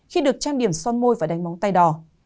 khi được trang điểm son môi và đánh bóng tay đỏ